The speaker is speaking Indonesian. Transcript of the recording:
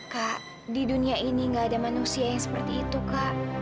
kak di dunia ini gak ada manusia yang seperti itu kak